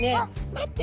「待って」。